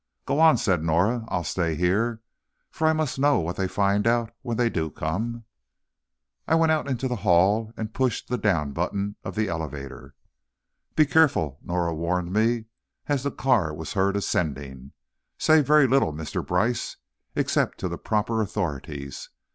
"Go on," said Norah, "I'll stay here, for I must know what they find out when they do come." I went out into the hall and pushed the "Down" button of the elevator. "Be careful," Norah warned me, as the car was heard ascending, "say very little, Mr. Brice, except to the proper authorities.